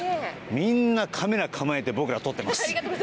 みんなカメラ構えて僕らを撮ってます。